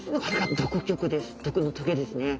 毒の棘ですね。